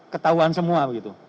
ketahuan semua begitu